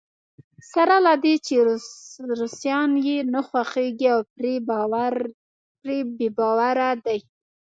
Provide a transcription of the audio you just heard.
سره له دې چې روسان یې نه خوښېږي او پرې بې باوره دی.